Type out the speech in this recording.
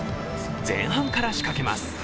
前半から仕掛けます。